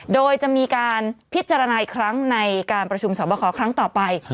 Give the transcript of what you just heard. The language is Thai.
โดยจะมีการพิจารณาอีกครั้งในการประชุมสอบคอครั้งต่อไป